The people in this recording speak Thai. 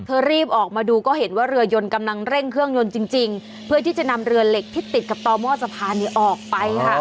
รีบออกมาดูก็เห็นว่าเรือยนกำลังเร่งเครื่องยนต์จริงเพื่อที่จะนำเรือเหล็กที่ติดกับต่อหม้อสะพานเนี่ยออกไปค่ะ